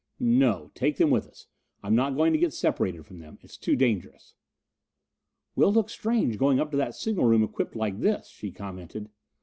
"No take them with us. I'm not going to get separated from them; it's too dangerous." "We'll look strange going up to that signal room equipped like this," she commented.